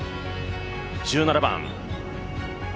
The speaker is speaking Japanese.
１７番。